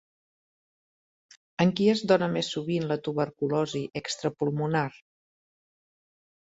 En qui es dóna més sovint la tuberculosi extrapulmonar?